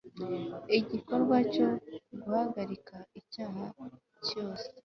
igikorwa cyo guhagarika icyaha cyo se